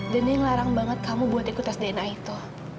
dan dia ngelarang banget kamu buat ikut tes dna itu